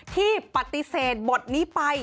ที่ปฏิเสธบทนี้ไป